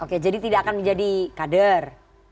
oke jadi tidak akan menjadi kader